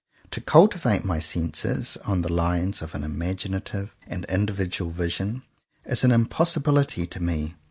To cultivate my senses, on the lines of an imagi native and individual vision, is an impossi bility to me.